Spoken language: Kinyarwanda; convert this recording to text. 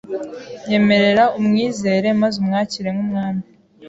Nyemerera umwizere maze umwakire nk’umwami